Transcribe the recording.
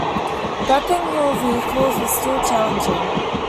Wrapping whole vehicles was still challenging.